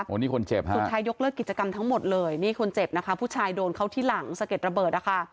นี่คนเจ็บฮะสุดท้ายยกเลิกกิจกรรมทั้งหมดเลยนี่คนเจ็บนะคะผู้ชายโดนเขาที่หลังสะเด็ดระเบิดนะคะ